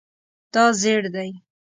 دا زیړ دی